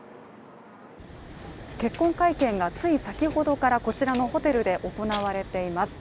結婚会見が、つい先ほどからこちらのホテルで行われています。